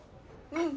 うん！